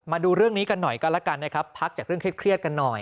มาดูเรื่องนี้กันหน่อยกันแล้วกันนะครับพักจากเรื่องเครียดกันหน่อย